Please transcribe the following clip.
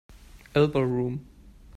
Elbow room